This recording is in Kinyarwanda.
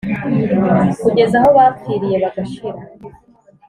kugeza aho bapfiriye bagashira